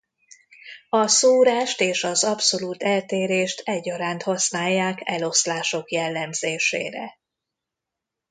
A szórást és az abszolút eltérést egyaránt használják eloszlások jellemzésére.